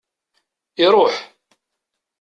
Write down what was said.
Iruḥ.